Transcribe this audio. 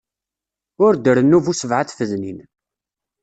Ur d-rennu bu sebɛa tfednin.